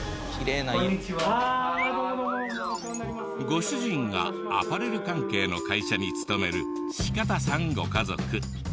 ご主人がアパレル関係の会社に勤める志方さんご家族。